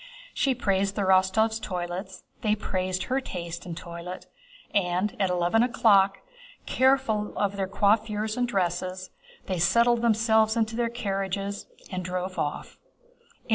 She praised the Rostóvs' toilets. They praised her taste and toilet, and at eleven o'clock, careful of their coiffures and dresses, they settled themselves in their carriages and drove off.